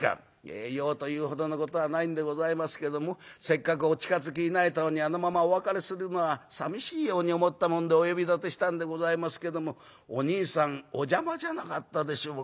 『ええ用というほどのことはないんでございますけどもせっかくお近づきになれたのにあのままお別れするのはさみしいように思ったもんでお呼び立てしたんでございますけどもおにいさんお邪魔じゃなかったでしょうか』